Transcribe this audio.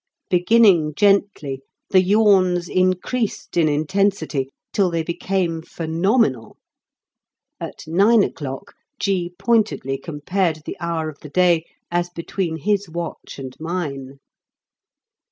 Beginning gently, the yawns increased in intensity till they became phenomenal. At nine o'clock G. pointedly compared the hour of the day as between his watch and mine.